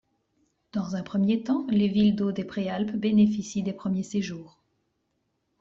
Dans un premier temps, les villes d’eaux des Préalpes bénéficient des premiers séjours.